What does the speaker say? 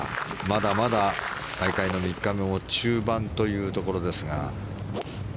まだまだ大会の３日目も中盤というところですが。